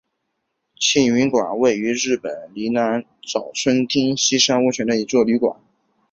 庆云馆是位于日本山梨县南巨摩郡早川町西山温泉的一座旅馆。